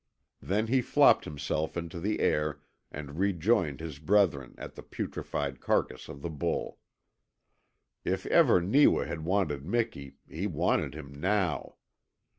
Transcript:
Then he flopped himself into the air and rejoined his brethren at the putrified carcass of the bull. If ever Neewa had wanted Miki he wanted him now.